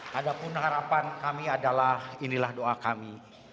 padahal harapan kami adalah inilah doa kami